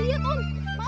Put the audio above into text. aduh sumpah sumpah om